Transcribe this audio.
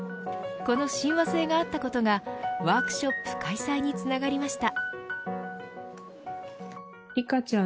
この親和性があったことがワークショップ開催につながりました。